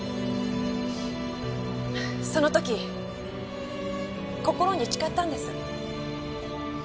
その時心に誓ったんです。